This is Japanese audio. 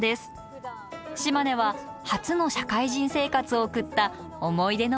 島根は初の社会人生活を送った思い出の場所なんです